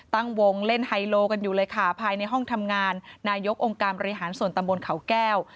ตั้งวงเล่นไฮโลกันอยู่เลยค่ะภายในห้องทำงานนายกองค์การบริหารส่วนตำบลเขาแก้ว